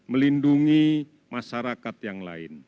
melindungi masyarakat yang lain